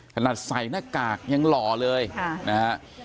คนถ้าใส่หน้ากากยังหล่อเลยนะครับ